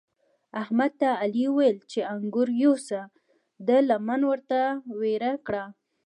احمد ته علي وويل چې انګور یوسه؛ ده لمن ورته ويړه کړه.